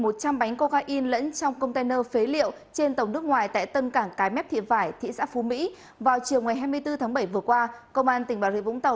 tại khu vực tân cảng cái mép thị vải thuộc phường phước hòa thị giáp phú mỹ tỉnh bà rịa vũng tàu